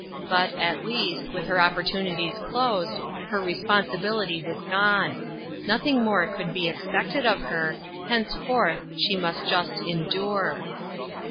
But, at least, with her opportunities closed, her responsibility was gone; nothing more 78 INTERRUPTED. could be expected of her; henceforth she must just endure.